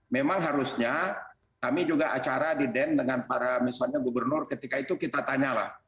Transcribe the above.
memang harusnya kami juga acara di den dengan para misalnya gubernur ketika itu kita tanyalah